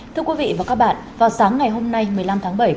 thưa quý vị và các bạn vào sáng ngày hôm nay một mươi năm tháng bảy